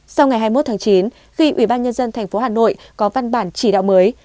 sau ngày hai mươi một tháng chín khi ủy ban nhân dân tp hà nội có văn bản chỉ đạo mới